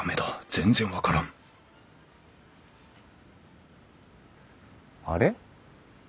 全然分からんあれ？